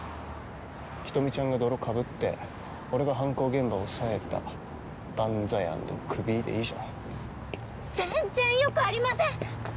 人見ちゃんが泥かぶって俺が犯行現場押さえたバンザイアンドクビでいいじゃん全然よくありません！